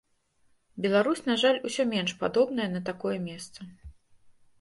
Беларусь, на жаль, усё менш падобная на такое месца.